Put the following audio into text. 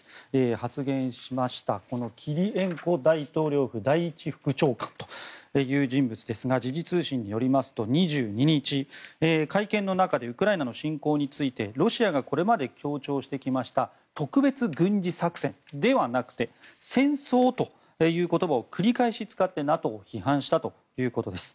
発言しましたキリエンコ大統領府第一副長官という人物ですが時事通信によりますと、２２日会見の中でウクライナ侵攻についてロシアがこれまで強調してきた特別軍事作戦ではなくて戦争という言葉を繰り返し使ってＮＡＴＯを批判したということです。